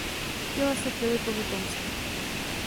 Chtěla se Filipovi pomstít.